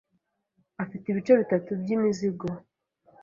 afite ibice bitatu by'imizigo.